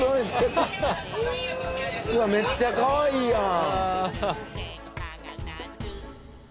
うわめっちゃかわいいやん！